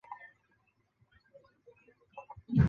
卒年七十二。